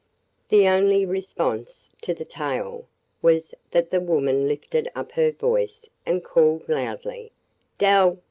The only response to the tale was that the woman lifted up her voice and called loudly: "Dell!